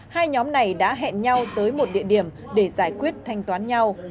hai nhóm này đã hẹn nhau tới một địa điểm để giải quyết thanh toán nhau